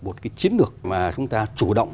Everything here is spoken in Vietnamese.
một cái chiến lược mà chúng ta chủ động